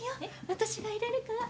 私がいれるから。